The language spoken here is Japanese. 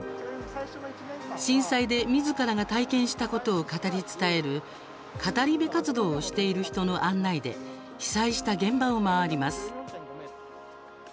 震災で、みずからが体験したことを語り伝える語り部活動をしている人の案内で被災した現場を回ります。